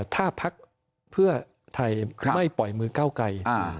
ถ้าพักเพื่อไทยไม่ปล่อยมือก้าวไกร